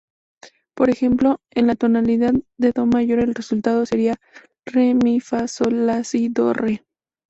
Por ejemplo, en la tonalidad de do mayor el resultado sería "re-mi-fa-sol-la-si-do-re".